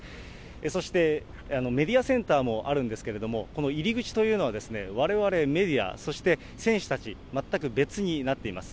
そして、メディアセンターもあるんですけれども、この入り口というのは、われわれメディア、そして選手たち、全く別になっています。